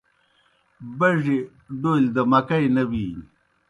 بَڙیْ ڈولیْ دہ مکئی نہ بِینیْ۔